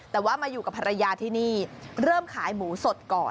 แต่ว่ามาอยู่กับภรรยาที่นี่เริ่มขายหมูสดก่อน